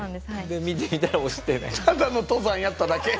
で見てみたら押してない。